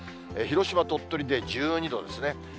広島、鳥取で１２度ですね。